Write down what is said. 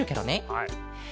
はい。